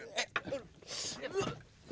ya ya gak